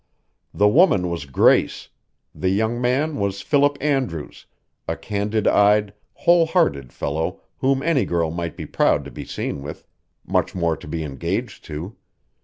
The woman was Grace, the young man was Philip Andrews, a candid eyed, whole hearted fellow whom any girl might be proud to be seen with, much more to be engaged to.